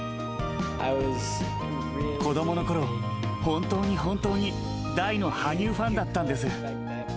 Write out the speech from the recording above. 子どものころ、本当に本当に、大の羽生ファンだったんです。